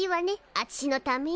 あちしのために。